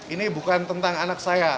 ini bukan tentang anak saya